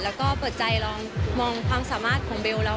แล้วก็เปิดใจลองมองความสามารถของเบลแล้ว